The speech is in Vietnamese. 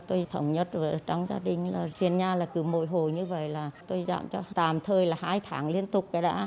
tôi thống nhất với trong gia đình là tiền nhà là cứ mỗi hồi như vậy là tôi giảm cho tạm thời là hai tháng liên tục cái đã